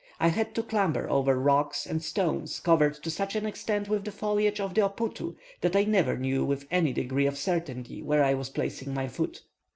I had to clamber over rocks and stones covered to such an extent with the foliage of the oputu that I never knew with any degree of certainty where I was placing my foot.